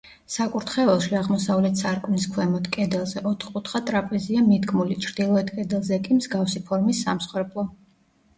საკურთხეველში, აღმოსავლეთ სარკმლის ქვემოთ, კედელზე, ოთხკუთხა ტრაპეზია მიდგმული, ჩრდილოეთ კედელზე კი, მსგავსი ფორმის სამსხვერპლო.